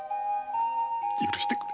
許してくれ。